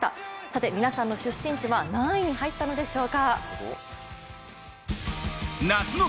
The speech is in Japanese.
さて皆さんの出身地は何位に入ったのでしょうか。